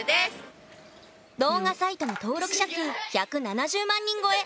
動画サイトの登録者数１７０万人超え！